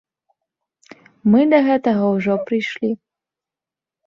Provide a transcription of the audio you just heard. Мы да гэтага ўжо прыйшлі.